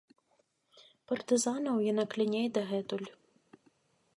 Партызанаў яна кляне і дагэтуль.